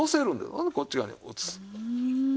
ほんでこっち側に移す。